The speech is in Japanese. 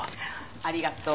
ありがとう。